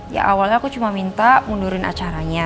ya awalnya aku cuma minta mundurin acaranya